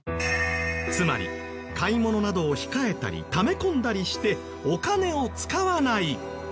つまり買い物などを控えたりため込んだりしてお金を使わない。